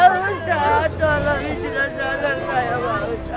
pak ustaz tolong ini jenazahnya saya pak ustaz